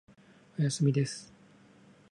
おやすみです。